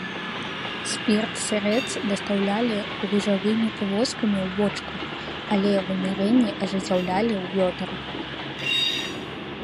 Спірт-сырэц дастаўлялі гужавымі павозкамі ў бочках, але вымярэнні ажыццяўлялі ў вёдрах.